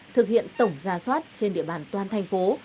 thực hiện tổng ra soát trên địa bàn toàn thành phố